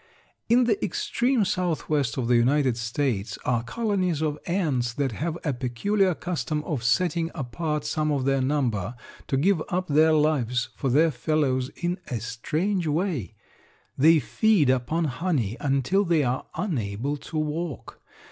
In the extreme southwest of the United States are colonies of ants that have a peculiar custom of setting apart some of their number to give up their lives for their fellows in a strange way. They feed upon honey until they are unable to walk.